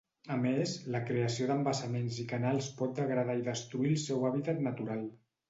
A més, la creació d'embassaments i canals pot degradar i destruir el seu hàbitat natural.